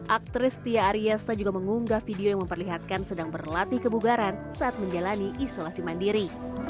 aktris tia ariesta juga mengunggah video yang memperlihatkan sedang berlatih kebugaran saat menjalani isolasi mandiri